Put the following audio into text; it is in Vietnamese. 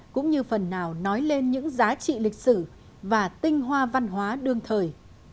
cũng như phần nào nói lên những giá trị lịch sử và tinh hoa văn hóa đương thời